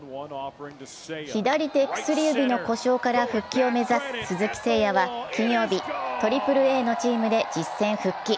左手薬指の故障から復帰を目指す鈴木誠也は金曜日、３Ａのチームで実戦復帰。